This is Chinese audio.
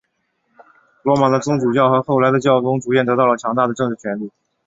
罗马的宗主教和后来的教宗逐渐得到强大的政治权力。